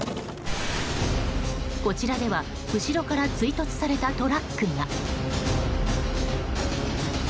こちらでは後ろから追突されたトラックが。